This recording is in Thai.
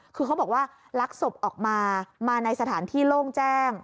คือเขาบอกว่าลักศพออกมามาในสถานที่โล่งแจ้ง